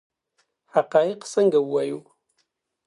حقایق څنګه ووایو؟